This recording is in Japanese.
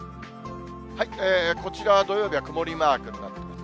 こちらは土曜日は曇りマークになってます。